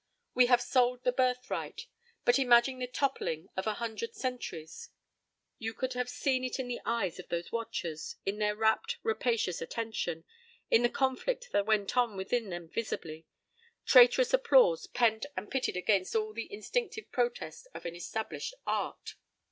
We have sold the birthright. But imagine the toppling of a hundred centuries! You could have seen it in the eyes of those watchers, in their rapt, rapacious attention, in the conflict that went on within them visibly; traitorous applause pent and pitted against all the instinctive protest of an established art.